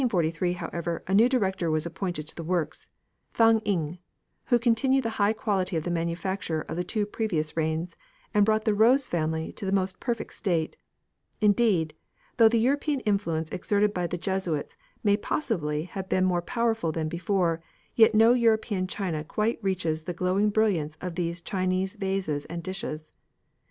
In 1743, however, a new director was appointed to the works Thang ing who continued the high quality of the manufacture of the two previous reigns, and brought the rose family to the most perfect state. Indeed, though the European influence exerted by the Jesuits may possibly have been more powerful than before, yet no European china quite reaches the glowing brilliance of these Chinese vases and dishes.